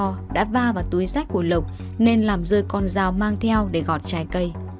do đã va vào túi sách của lộc nên làm rơi con dao mang theo để gọt trái cây